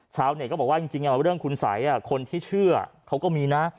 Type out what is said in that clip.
เช้าเนี่ยก็บอกว่าจริงนี้เรื่องคุณสัยอ่ะคนที่เชื่อเขาก็มีนะ